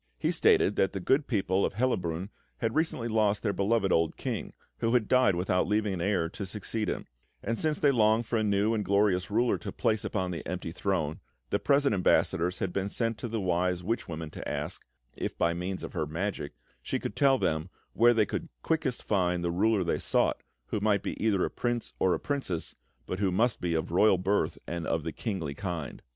He stated that the good people of Hellabrunn had recently lost their beloved old King, who had died without leaving an heir to succeed him; and since they longed for a new and glorious ruler to place upon the empty throne, the present ambassadors had been sent to the wise witch woman to ask if, by means of her magic, she could tell them where they could quickest find the ruler they sought, who might be either a prince or a princess, but who must be of royal birth and of the kingly kind.